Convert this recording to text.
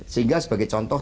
sehingga sebagai contoh